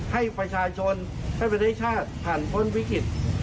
ให้ประชาชนให้ประเทศชาติผ่านพ้นวิกฤติโควิดได้หรือไม่